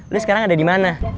ini sekarang ada di mana